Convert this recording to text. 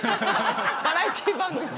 バラエティー番組とかで？